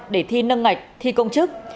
để thi nâng ngạch thi công chức